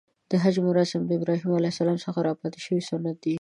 د حج مراسم د ابراهیم ع څخه راپاتې شوی سنت دی .